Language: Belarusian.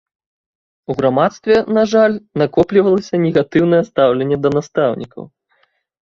У грамадстве, на жаль, накоплівалася негатыўнае стаўленне да настаўнікаў.